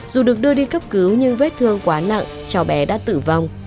dù được đưa đi cấp cứu nhưng vết thương quá nặng cháu bé đã tử vong